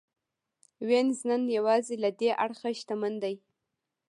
وینز نن یوازې له دې اړخه شتمن دی.